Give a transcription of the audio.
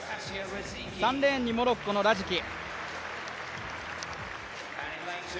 ３レーンにモロッコのラジキ